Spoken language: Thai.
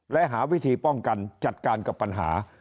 และหาวิธีป้องกันจัดการกับปัญหา